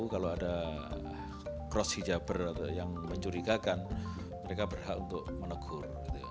kalau ada cross hijaber atau yang mencurigakan mereka berhak untuk menegur